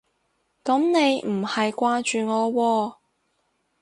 噉你唔係掛住我喎